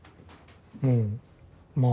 うんまあ